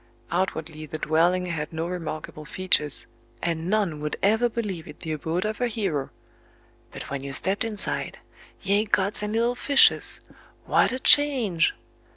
Outwardly the dwelling had no remarkable features, and none would ever believe it the abode of a hero; but when you stepped inside, ye gods and little fishes! what a change!